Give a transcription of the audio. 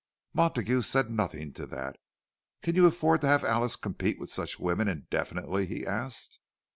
Montague said nothing to that. "Can you afford to have Alice compete with such women indefinitely?" he asked.